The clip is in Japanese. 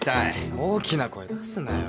大きな声出すなよ。